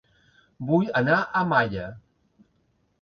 Vull anar a Malla